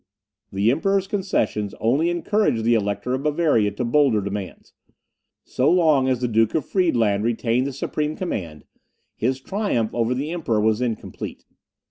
The Emperor's concessions only encouraged the Elector of Bavaria to bolder demands. So long as the Duke of Friedland retained the supreme command, his triumph over the Emperor was incomplete.